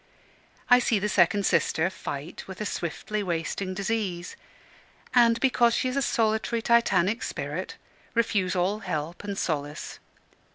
I see the second sister fight with a swiftly wasting disease; and, because she is a solitary Titanic spirit, refuse all help and solace.